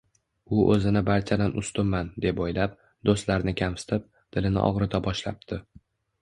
U oʻzini barchadan ustunman, deb oʻylab, doʻstlarini kamsitib, dilini ogʻrita boshlabdi